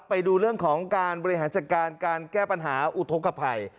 ไปดูเรื่องของการบริหารจัดการการแก้ปัญหาอุทธกภัย